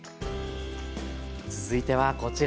続いてはこちら。